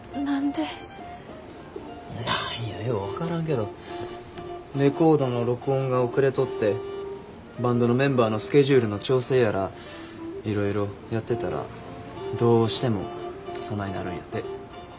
何やよう分からんけどレコードの録音が遅れとってバンドのメンバーのスケジュールの調整やらいろいろやってたらどうしてもそないなるんやて。